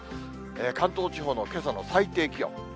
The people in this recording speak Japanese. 関東地方のけさの最低気温。